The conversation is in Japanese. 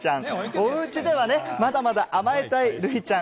おうちではね、まだまだ甘えたい、るいちゃん。